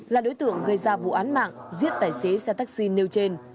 là đối tượng gây ra vụ án mạng giết tài xế xe taxi nêu trên